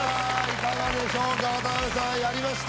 いかがでしょうか渡辺さんやりました。